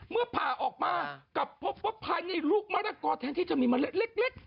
ผ่าออกมากลับพบว่าภายในลูกมะละกอแทนที่จะมีเมล็ดเล็ก